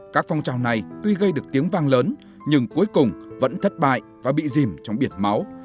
các phong trào này tuy gây được tiếng vang lớn nhưng cuối cùng vẫn thất bại và bị dìm trong biệt máu